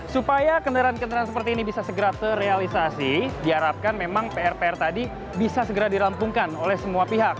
supaya kendaraan kendaraan seperti ini bisa segera terrealisasi diharapkan memang pr pr tadi bisa segera dirampungkan oleh semua pihak